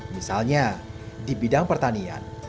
misalnya di bidang pertanian